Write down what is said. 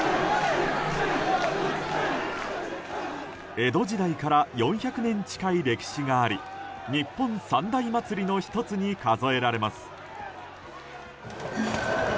江戸時代から４００年近い歴史があり日本三大祭りの１つに数えられます。